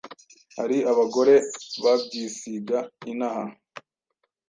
Hari abagore babyisiga inaha